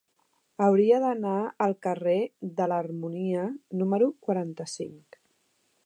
Hauria d'anar al carrer de l'Harmonia número quaranta-cinc.